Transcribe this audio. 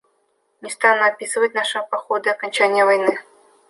Не стану описывать нашего похода и окончания войны.